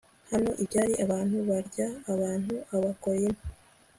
hano ibyari abantu barya abantu abakoloni